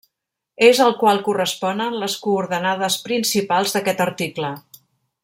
És al qual corresponen les coordenades principals d'aquest article.